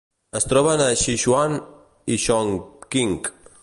Es troben a Sichuan i Chongqing.